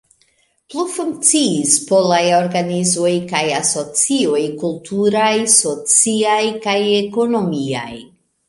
Plu funkciis polaj organizoj kaj asocioj kulturaj, sociaj kaj ekonomiaj.